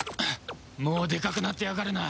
もうでかくなってやがるな。